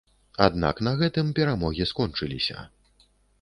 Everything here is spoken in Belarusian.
Аднак на гэтым перамогі скончыліся.